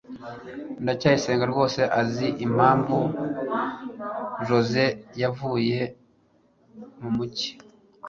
ndacyayisenga rwose azi impamvu joze yavuye mumujyi